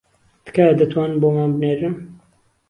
تکایە دەتوانن بۆمان بنێرن